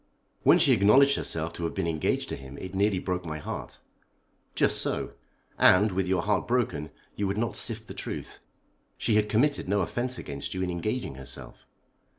"When she acknowledged herself to have been engaged to him it nearly broke my heart." "Just so. And, with your heart broken, you would not sift the truth. She had committed no offence against you in engaging herself."